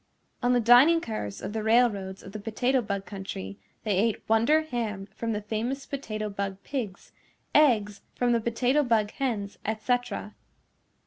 On the dining cars of the railroads of the Potato Bug Country they ate wonder ham from the famous Potato Bug Pigs, eggs from the Potato Bug Hens, et cetera.